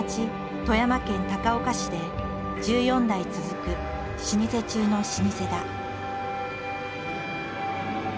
富山県高岡市で１４代続く老舗中の老舗だ。